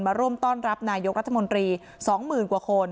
มาร่วมต้อนรับนายกรัฐมนตรีสองหมื่นกว่าคน